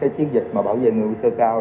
chiến dịch bảo vệ người nguy cơ cao